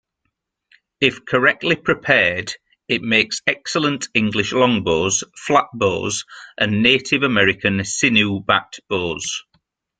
If correctly prepared, it makes excellent English longbows, flatbows, and Native American sinew-backed bows.